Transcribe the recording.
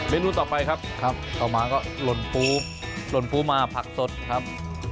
นูต่อไปครับครับต่อมาก็หล่นปูหล่นปูมาผักสดครับ